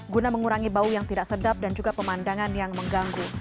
guna mengurangi bau yang tidak sedap dan juga pemandangan yang mengganggu